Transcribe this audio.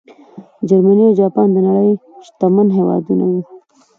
جرمني او جاپان د نړۍ شتمن هېوادونه وو.